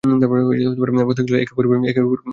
প্রত্যেক দল একে অপরের বিরুদ্ধে একবার করে খেলে।